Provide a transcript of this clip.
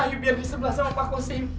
ayo biar di sebelah sama pak kosim